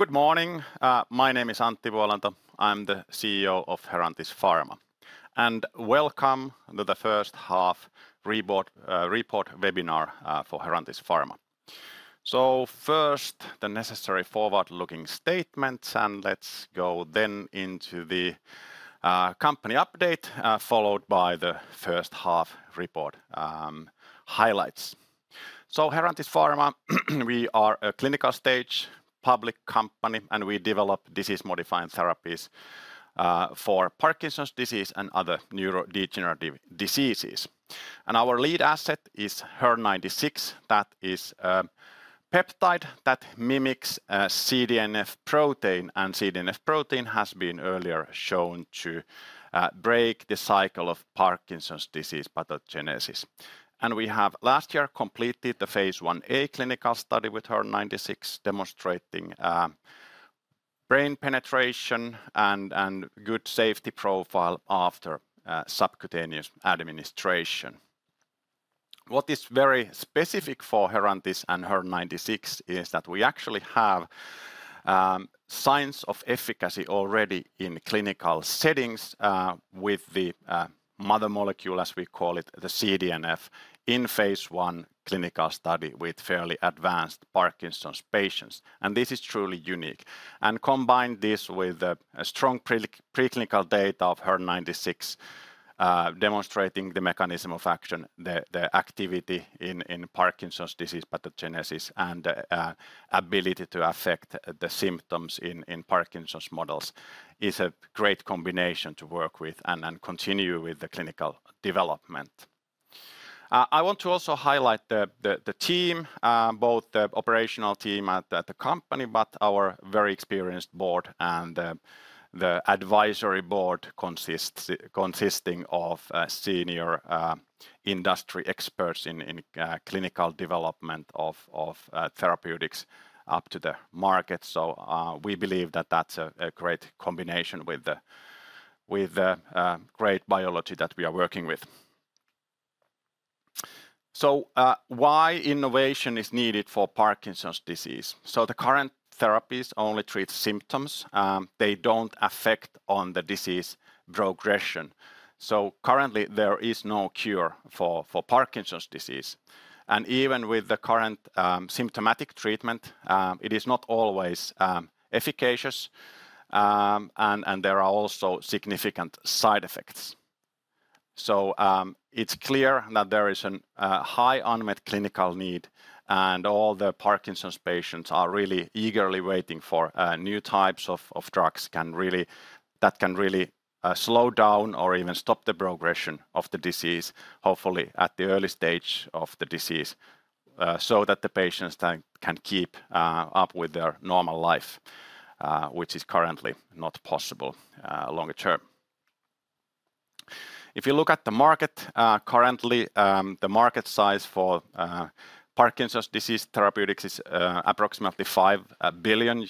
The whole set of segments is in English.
Good morning, my name is Antti Vuolanto. I'm the CEO of Herantis Pharma, and welcome to the first half-year board report webinar for Herantis Pharma. First, the necessary forward-looking statements, and let's go then into the company update, followed by the first half report highlights. Herantis Pharma, we are a clinical stage public company, and we develop disease-modifying therapies for Parkinson's disease and other neurodegenerative diseases. Our lead asset is HER-096. That is a peptide that mimics CDNF protein, and CDNF protein has been earlier shown to break the cycle of Parkinson's disease pathogenesis. We have last year completed the phase Ia clinical study with HER-096, demonstrating brain penetration and good safety profile after subcutaneous administration. What is very specific for Herantis and HER-096 is that we actually have signs of efficacy already in clinical settings with the mother molecule, as we call it, the CDNF, in phase I clinical study with fairly advanced Parkinson's patients, and this is truly unique, and combine this with a strong preclinical data of HER-096 demonstrating the mechanism of action, the activity in Parkinson's disease pathogenesis and ability to affect the symptoms in Parkinson's models, is a great combination to work with and continue with the clinical development. I want to also highlight the team, both the operational team at the company, but our very experienced board and the advisory board consisting of senior industry experts in clinical development of therapeutics up to the market. So, we believe that that's a great combination with the great biology that we are working with. So, why innovation is needed for Parkinson's disease? So the current therapies only treat symptoms. They don't affect on the disease progression. So currently, there is no cure for Parkinson's disease, and even with the current symptomatic treatment, it is not always efficacious, and there are also significant side effects. It's clear that there is a high unmet clinical need, and all the Parkinson's patients are really eagerly waiting for new types of drugs that can really slow down or even stop the progression of the disease, hopefully at the early stage of the disease, so that the patients can keep up with their normal life, which is currently not possible longer term. If you look at the market, currently, the market size for Parkinson's disease therapeutics is approximately $5 billion,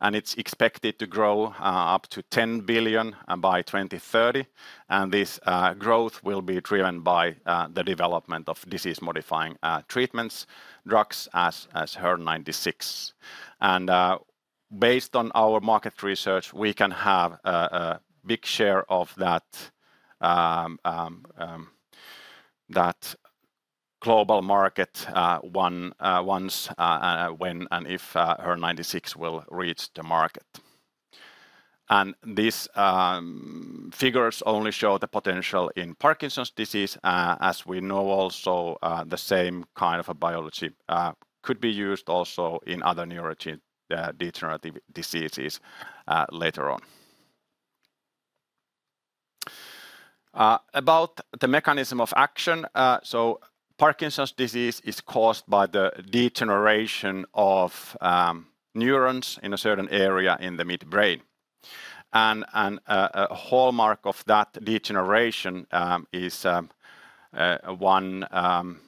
and it's expected to grow up to $10 billion by 2030. This growth will be driven by the development of disease-modifying treatments, drugs, as HER-096. And, based on our market research, we can have a big share of that global market, once when and if HER-096 will reach the market. And these figures only show the potential in Parkinson's disease, as we know, also, the same kind of a biology could be used also in other neurodegenerative diseases, later on. About the mechanism of action, so Parkinson's disease is caused by the degeneration of neurons in a certain area in the midbrain. And, a hallmark of that degeneration, is one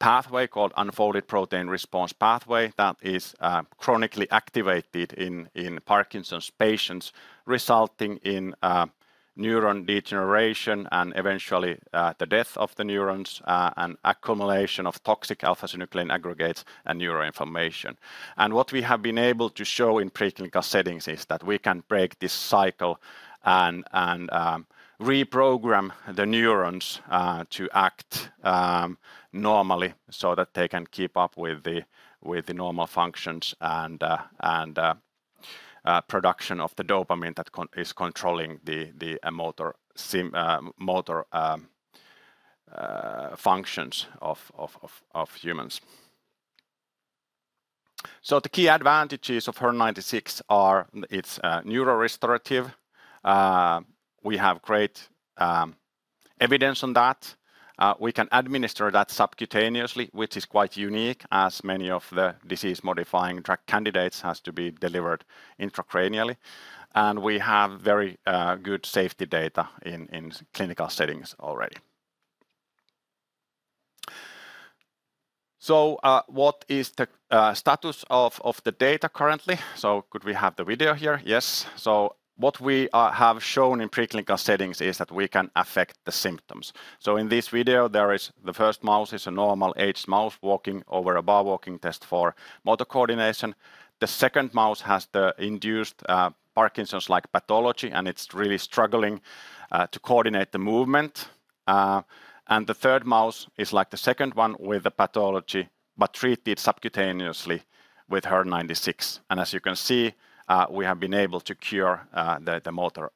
pathway called unfolded protein response pathway that is chronically activated in Parkinson's patients, resulting in neuron degeneration and eventually the death of the neurons, and accumulation of toxic alpha-synuclein aggregates and neuroinflammation. And what we have been able to show in preclinical settings is that we can break this cycle and reprogram the neurons to act normally so that they can keep up with the normal functions and production of the dopamine that is controlling the motor functions of humans. So the key advantages of HER-096 are: it's neurorestorative. We have great evidence on that. We can administer that subcutaneously, which is quite unique, as many of the disease-modifying drug candidates has to be delivered intracranially, and we have very good safety data in clinical settings already. So, what is the status of the data currently? So could we have the video here? Yes. What we have shown in preclinical settings is that we can affect the symptoms. In this video, there is the first mouse. It is a normal aged mouse walking over a bar walking test for motor coordination. The second mouse has the induced Parkinson's-like pathology, and it is really struggling to coordinate the movement. The third mouse is like the second one with the pathology, but treated subcutaneously with HER-096. As you can see, we have been able to cure the motor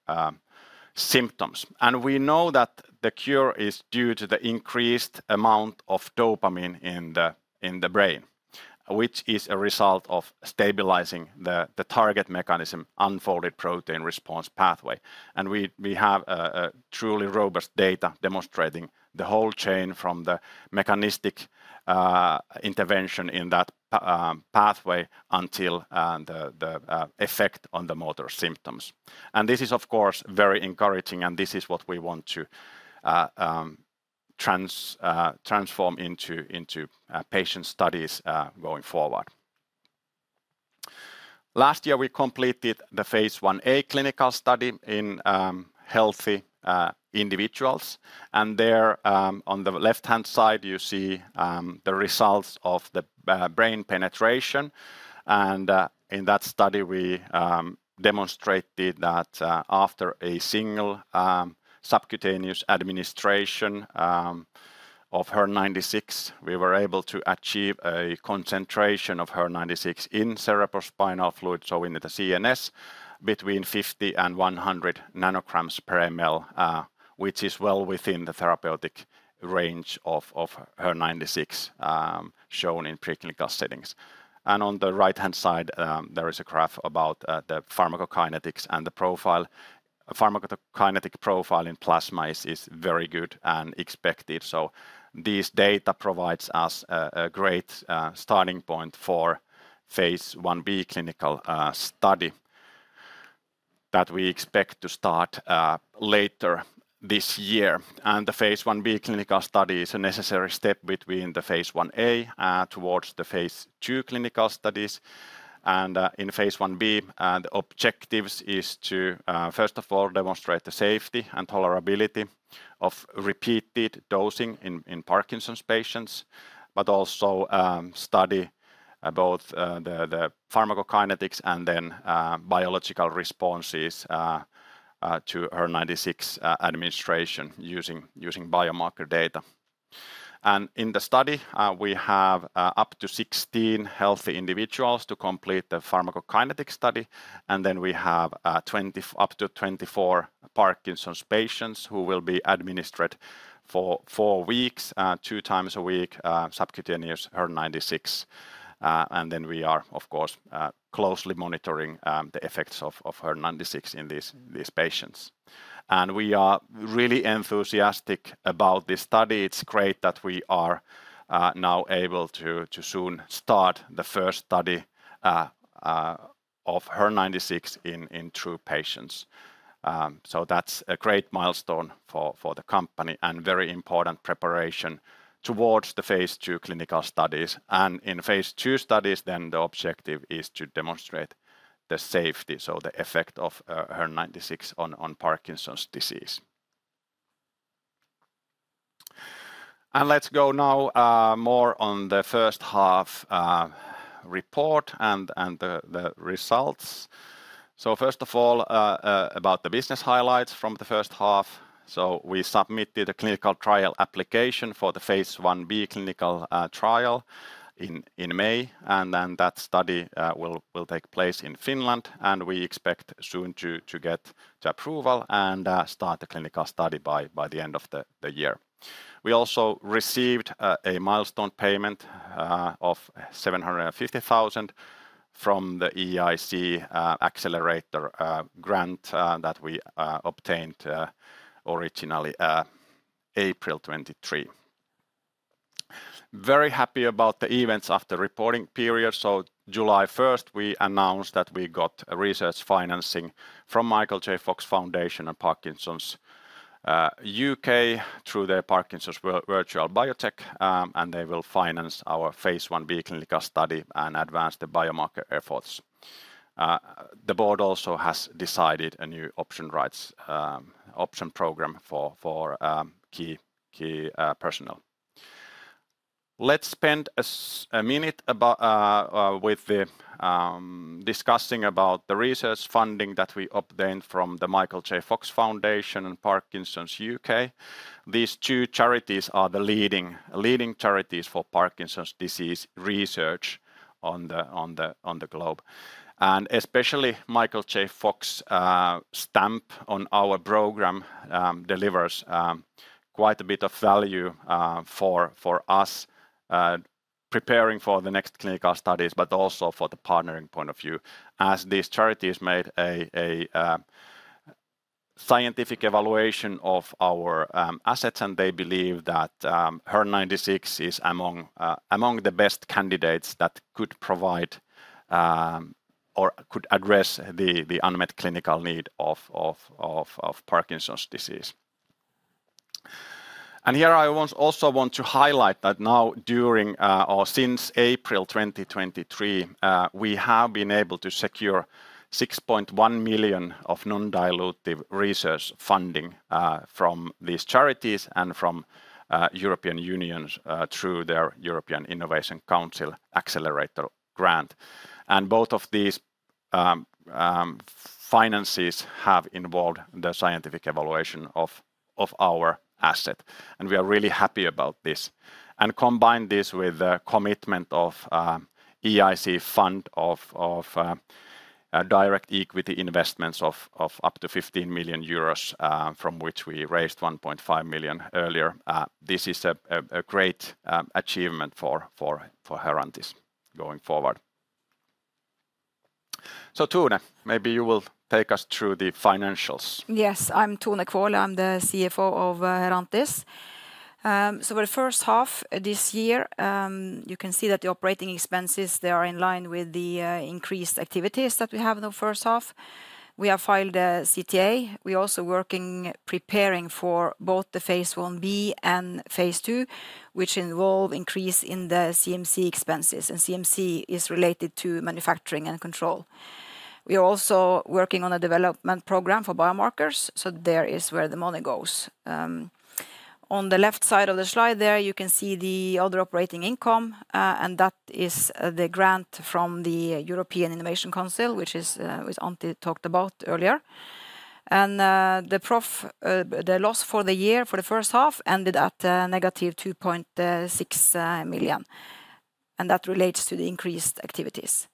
symptoms. We know that the cure is due to the increased amount of dopamine in the brain, which is a result of stabilizing the target mechanism, unfolded protein response pathway. We have a truly robust data demonstrating the whole chain from the mechanistic intervention in that pathway until the effect on the motor symptoms. This is, of course, very encouraging, and this is what we want to transform into patient studies going forward. Last year, we completed the phase Ia clinical study in healthy individuals, and there, on the left-hand side, you see the results of the brain penetration. In that study, we demonstrated that after a single subcutaneous administration of HER-096, we were able to achieve a concentration of HER-096 in cerebrospinal fluid, so in the CNS, between 50 and 100 nanograms per ml, which is well within the therapeutic range of HER-096 shown in preclinical settings. And on the right-hand side, there is a graph about the pharmacokinetics and the profile. Pharmacokinetic profile in plasma is very good and expected, so this data provides us a great starting point for phase Ib clinical study that we expect to start later this year. The phase Ib clinical study is a necessary step between the phase Ia towards the phase II clinical studies. In phase Ib the objectives is to first of all demonstrate the safety and tolerability of repeated dosing in Parkinson's patients, but also study both the pharmacokinetics and then biological responses to HER-096 administration using biomarker data. And in the study, we have up to 16 healthy individuals to complete the pharmacokinetic study, and then we have twenty-- up to 24 Parkinson's patients who will be administered for four weeks, two times a week, subcutaneous HER-096. And then we are, of course, closely monitoring the effects of HER-096 in these patients. And we are really enthusiastic about this study. It's great that we are now able to soon start the first study of HER-096 in true patients. So that's a great milestone for the company and very important preparation towards the phase II clinical studies. And in phase II studies, then the objective is to demonstrate the safety, so the effect of HER-0G96 on Parkinson's disease. And let's go now more on the first half report and the results. So first of all about the business highlights from the first half. So we submitted a clinical trial application for the phase Ib clinical trial in May, and then that study will take place in Finland, and we expect soon to get the approval and start the clinical study by the end of the year. We also received a milestone payment of 750,000 from the EIC Accelerator grant that we obtained originally April 2023. Very happy about the events after reporting period. So July first, we announced that we got research financing from the Michael J. Fox Foundation. Fox Foundation and Parkinson's UK through their Parkinson's Virtual Biotech, and they will finance our phase Ib clinical study and advance the biomarker efforts. The board also has decided a new option rights option program for key personnel. Let's spend a minute about discussing about the research funding that we obtained from the Michael J. Fox Foundation and Parkinson's UK These two charities are the leading charities for Parkinson's disease research on the globe. And especially Michael J. Fox's stamp on our program delivers quite a bit of value for us preparing for the next clinical studies, but also for the partnering point of view, as these charities made a scientific evaluation of our assets, and they believe that HER-096 is among the best candidates that could provide or could address the unmet clinical need of Parkinson's disease. Here I also want to highlight that now or since April 2023, we have been able to secure 6.1 million of non-dilutive research funding from these charities and from European Union through their European Innovation Council Accelerator grant. And both of these finances have involved the scientific evaluation of our asset, and we are really happy about this. And combine this with the commitment of EIC Fund of direct equity investments of up to 15 million euros, from which we raised 1.5 million EUR earlier. This is a great achievement for Herantis going forward. So Tone, maybe you will take us through the financials. Yes, I'm Tone Kvåle. I'm the CFO of Herantis. So for the first half this year, you can see that the operating expenses, they are in line with the increased activities that we have the first half. We have filed a CTA. We're also working, preparing for both the phase Ib and phase II, which involve increase in the CMC expenses, and CMC is related to manufacturing and control. We are also working on a development program for biomarkers, so there is where the money goes. On the left side of the slide there, you can see the other operating income, and that is, the grant from the European Innovation Council, which is, which Antti talked about earlier. The loss for the year, for the first half, ended at negative 2.6 million, and that relates to the increased activities.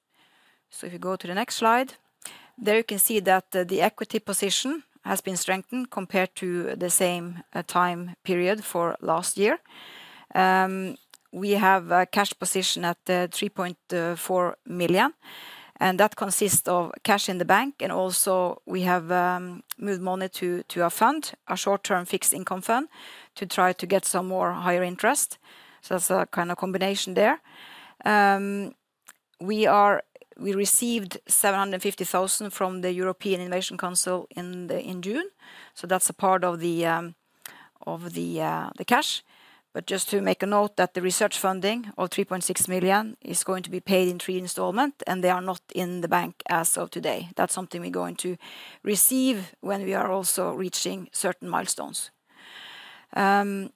So if you go to the next slide, there you can see that the equity position has been strengthened compared to the same time period for last year. We have a cash position at 3.4 million, and that consists of cash in the bank, and also we have moved money to a fund, a short-term fixed income fund, to try to get some more higher interest. So that's a kind of combination there. We received 750,000 from the European Innovation Council in June, so that's a part of the cash. But just to make a note that the research funding of 3.6 million is going to be paid in three installment, and they are not in the bank as of today. That's something we're going to receive when we are also reaching certain milestones. And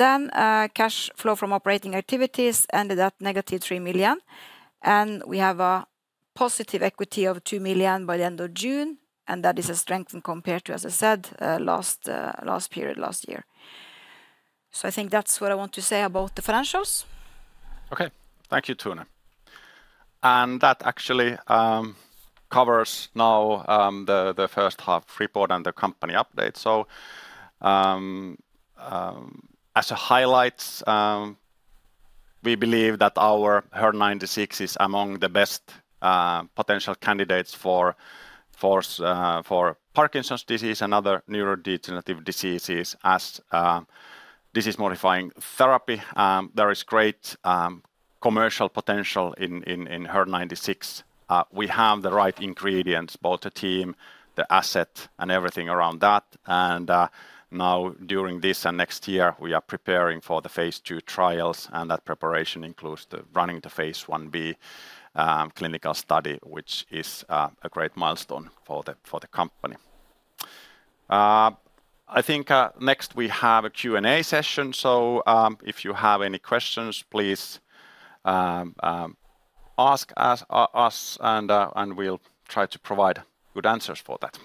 then, cash flow from operating activities ended at negative 3 million, and we have a positive equity of 2 million by the end of June, and that is a strength compared to, as I said, last period, last year. So I think that's what I want to say about the financials. Okay. Thank you, Tone. That actually covers now the first half report and the company update. As highlights, we believe that our HER-096 is among the best potential candidates for Parkinson's disease and other neurodegenerative diseases as disease-modifying therapy. There is great commercial potential in HER-096. We have the right ingredients, both the team, the asset, and everything around that. Now during this and next year, we are preparing for the phase II trials, and that preparation includes running the phase Ib clinical study, which is a great milestone for the company. I think next we have a Q&A session, so if you have any questions, please ask us, and we'll try to provide good answers for that.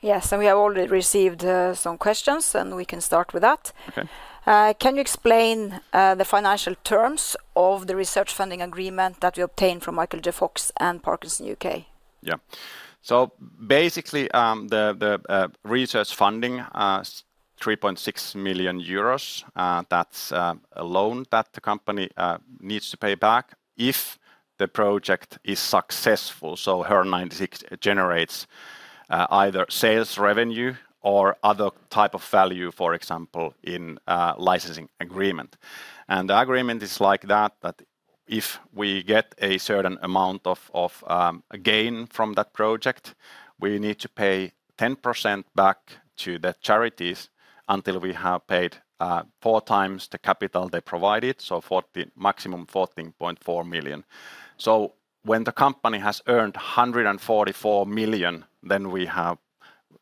Yes, and we have already received some questions, and we can start with that. Okay. Can you explain the financial terms of the research funding agreement that we obtained from Michael J. Fox and Parkinson's UK? Yeah. So basically, the research funding is 3.6 million euros, that's a loan that the company needs to pay back if the project is successful, so HER-096 generates either sales revenue or other type of value, for example, in a licensing agreement. And the agreement is like that, that if we get a certain amount of gain from that project, we need to pay 10% back to the charities until we have paid four times the capital they provided, so maximum 14.4 million. So when the company has earned 144 million, then we have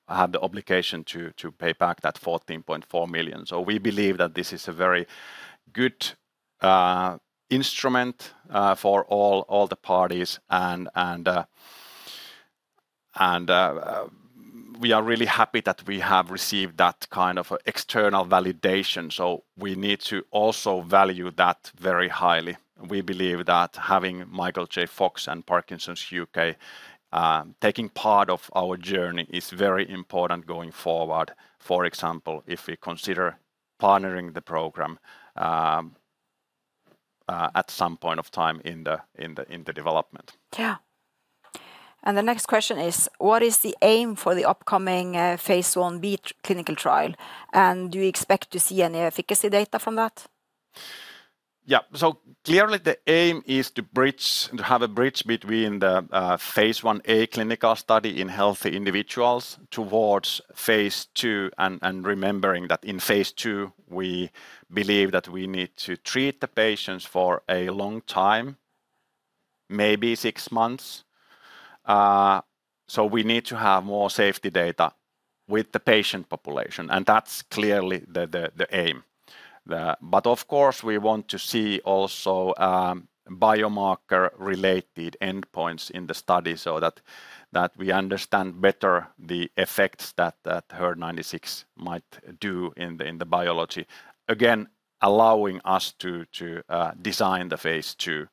had the obligation to pay back that 14.4 million. So we believe that this is a very good instrument for all the parties, and we are really happy that we have received that kind of external validation, so we need to also value that very highly. We believe that having Michael J. Fox and Parkinson's UK taking part of our journey is very important going forward. For example, if we consider partnering the program at some point of time in the development. Yeah. The next question is, what is the aim for the upcoming phase 1b clinical trial, and do you expect to see any efficacy data from that?... Yeah, so clearly the aim is to bridge, to have a bridge between the phase Ia clinical study in healthy individuals toward phase II, and remembering that in phase II, we believe that we need to treat the patients for a long time, maybe six months. So we need to have more safety data with the patient population, and that's clearly the aim. But of course, we want to see also biomarker related endpoints in the study so that we understand better the effects that HER-096 might do in the biology. Again, allowing us to design the phase II.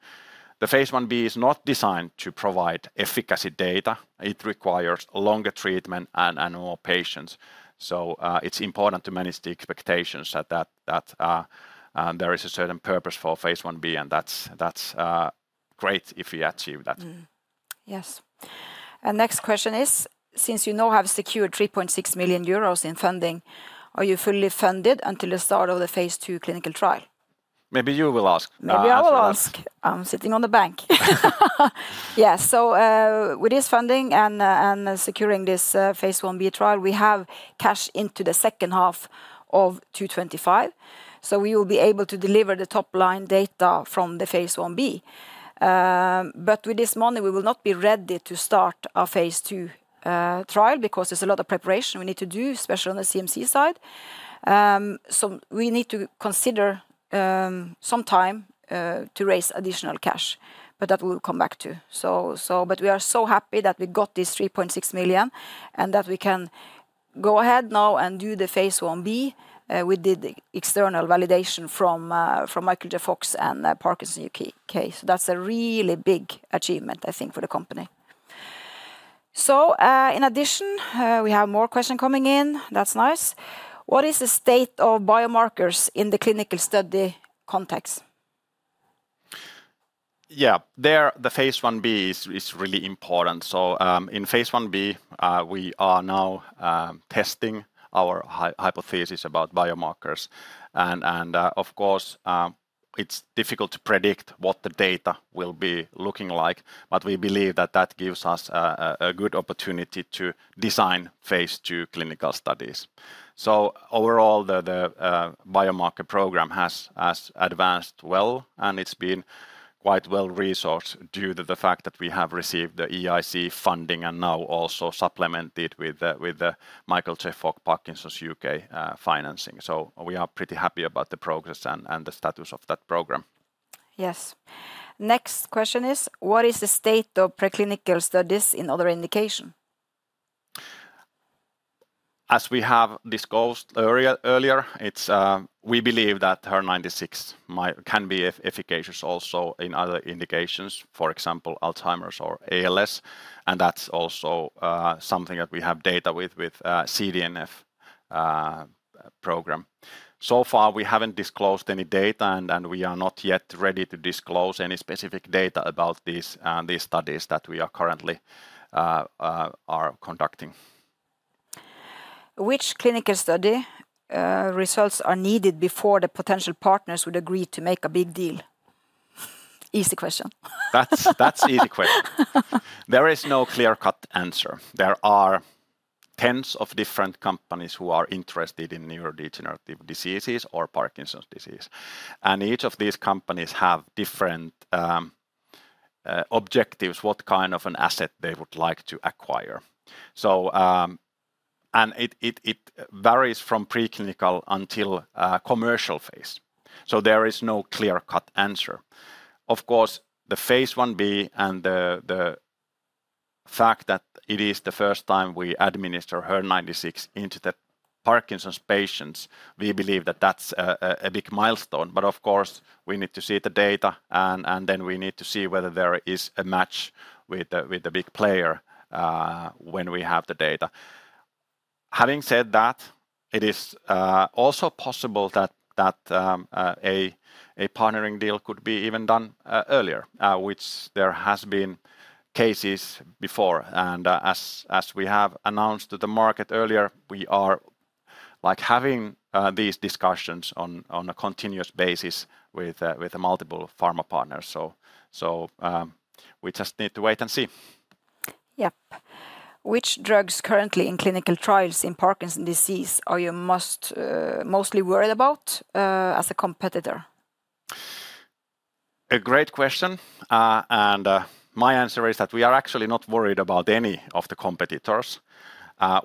The phase Ib is not designed to provide efficacy data. It requires a longer treatment and more patients. It's important to manage the expectations that there is a certain purpose for phase Ib, and that's great if we achieve that. Mm-hmm. Yes. And next question is, since you now have secured 3.6 million euros in funding, are you fully funded until the start of the phase II clinical trial? Maybe you will ask. Maybe I will ask. You ask. Yeah, so with this funding and securing this phase Ib trial, we have cash into the second half of 2025, so we will be able to deliver the top line data from the phase Ib. But with this money, we will not be ready to start our phase II trial, because there's a lot of preparation we need to do, especially on the CMC side. So we need to consider some time to raise additional cash, but that we'll come back to. So but we are so happy that we got this 3.6 million, and that we can go ahead now and do the phase Ib. We did external validation from the Michael J. Fox Foundation. Fox and Parkinson's UK, so that's a really big achievement, I think, for the company. So, in addition, we have more question coming in. That's nice. What is the state of biomarkers in the clinical study context? Yeah. The phase Ib is really important. So, in phase Ib, we are now testing our hypothesis about biomarkers. And, of course, it's difficult to predict what the data will be looking like, but we believe that that gives us a good opportunity to design phase II clinical studies. So overall, the biomarker program has advanced well, and it's been quite well resourced due to the fact that we have received the EIC funding, and now also supplemented with the Michael J. Fox, Parkinson's UK financing. So we are pretty happy about the progress and the status of that program. Yes. Next question is, what is the state of preclinical studies in other indication? As we have discussed earlier, we believe that HER-096 might can be efficacious also in other indications, for example, Alzheimer's or ALS, and that's also something that we have data with CDNF program. So far, we haven't disclosed any data, and we are not yet ready to disclose any specific data about these studies that we are currently conducting. Which clinical study results are needed before the potential partners would agree to make a big deal? Easy question. That's easy question. There is no clear-cut answer. There are tens of different companies who are interested in neurodegenerative diseases or Parkinson's disease, and each of these companies have different objectives, what kind of an asset they would like to acquire. So, and it varies from preclinical until commercial phase, so there is no clear-cut answer. Of course, the phase Ib and the fact that it is the first time we administer HER-096 into the Parkinson's patients, we believe that that's a big milestone. But of course, we need to see the data, and then we need to see whether there is a match with the big player when we have the data. Having said that, it is also possible that a partnering deal could be even done earlier, which there has been cases before. And as we have announced to the market earlier, we are, like, having these discussions on a continuous basis with multiple pharma partners. So, we just need to wait and see. Yep. Which drugs currently in clinical trials in Parkinson's disease are you most, mostly worried about, as a competitor? A great question, and, my answer is that we are actually not worried about any of the competitors.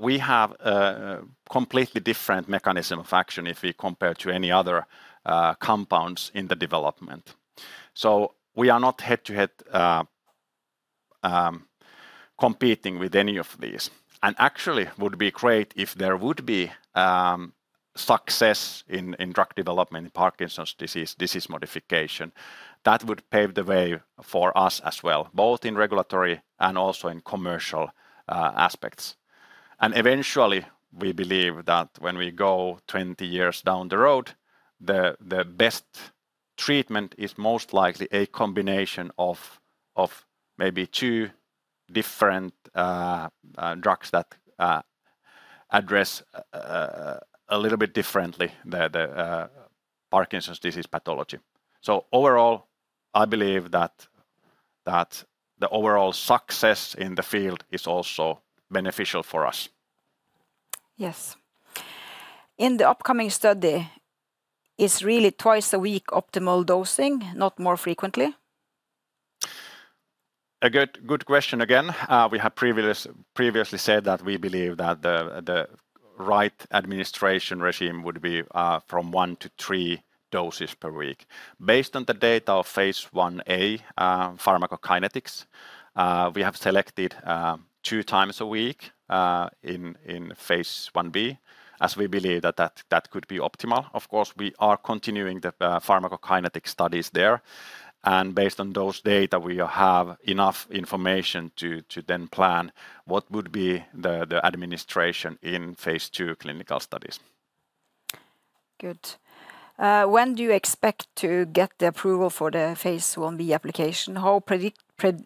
We have a completely different mechanism of action if we compare to any other, compounds in the development. So we are not head-to-head, competing with any of these, and actually would be great if there would be, success in drug development in Parkinson's disease, disease modification. That would pave the way for us as well, both in regulatory and also in commercial, aspects. And eventually, we believe that when we go twenty years down the road, the best treatment is most likely a combination of maybe two different drugs that address a little bit differently the Parkinson's disease pathology. Overall, I believe that the overall success in the field is also beneficial for us. Yes. In the upcoming study, is really twice a week optimal dosing, not more frequently? A good, good question again. We have previously said that we believe that the right administration regimen would be from one to three doses per week. Based on the data of phase Ia pharmacokinetics, we have selected two times a week in phase Ib, as we believe that could be optimal. Of course, we are continuing the pharmacokinetic studies there, and based on those data, we have enough information to then plan what would be the administration in phase II clinical studies. Good. When do you expect to get the approval for the phase Ib application? How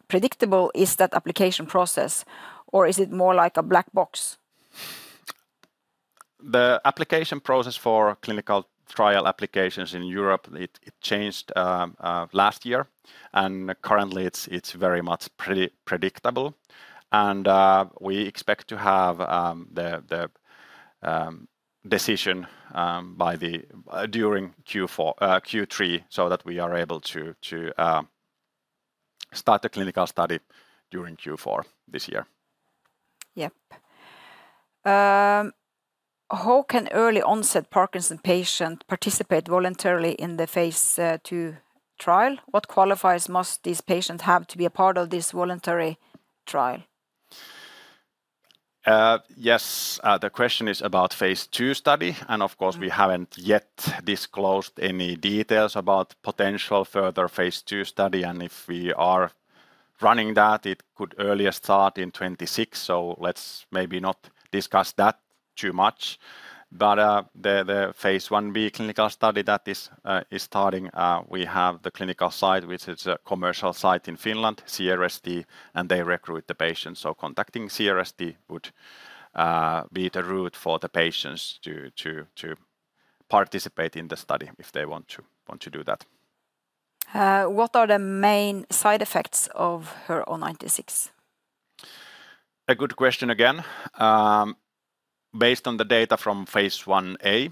predictable is that application process, or is it more like a black box? The application process for clinical trial applications in Europe, it changed last year, and currently, it's very much predictable. We expect to have the decision by Q3, so that we are able to start the clinical study during Q4 this year. Yep. How can early-onset Parkinson's patient participate voluntarily in the phase II trial? What qualifies must these patients have to be a part of this voluntary trial? The question is about phase II study, and of course- Mm... we haven't yet disclosed any details about potential further phase II study, and if we are running that, it could earliest start in 2026, so let's maybe not discuss that too much. But, the phase Ib clinical study that is starting, we have the clinical site, which is a commercial site in Finland, CRST, and they recruit the patients, so contacting CRST would be the route for the patients to participate in the study if they want to do that. What are the main side effects of HER-096? A good question again. Based on the data from phase Ia,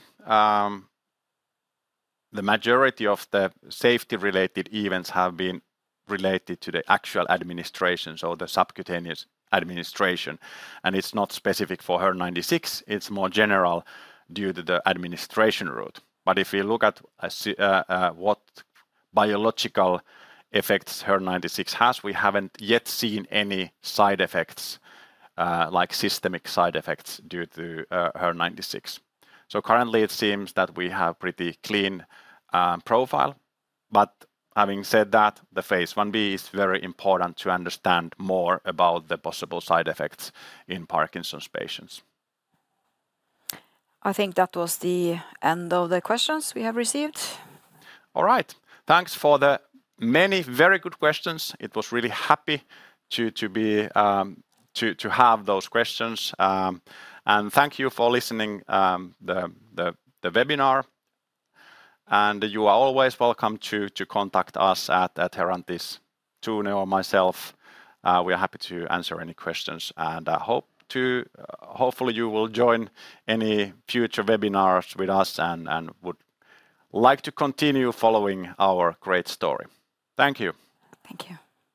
the majority of the safety-related events have been related to the actual administration, so the subcutaneous administration, and it's not specific for HER-096. It's more general due to the administration route. But if you look at what biological effects HER-096 has, we haven't yet seen any side effects, like systemic side effects, due to HER-096. So currently, it seems that we have pretty clean profile, but having said that, the phase Ib is very important to understand more about the possible side effects in Parkinson's patients. I think that was the end of the questions we have received. All right. Thanks for the many very good questions. I was really happy to have those questions. And thank you for listening to the webinar, and you are always welcome to contact us at Herantis, Tone or myself. We are happy to answer any questions, and I hope to... Hopefully you will join any future webinars with us, and would like to continue following our great story. Thank you. Thank you.